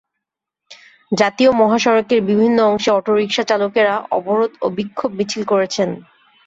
জাতীয় মহাসড়কের বিভিন্ন অংশে অটোরিকশা চালকেরা অবরোধ ও বিক্ষোভ মিছিল করেছেন।